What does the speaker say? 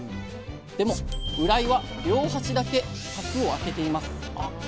でもウライは両端だけ柵を開けています。